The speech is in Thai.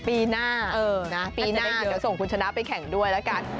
ปีหน้าปีหน้าจะส่งคุณชนะไปแข่งด้วยละกัน